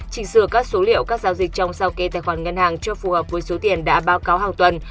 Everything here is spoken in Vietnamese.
chỉnh sửa các số liệu các giao dịch trong sao kê tài khoản ngân hàng cho phù hợp với số tiền đã báo cáo hàng tuần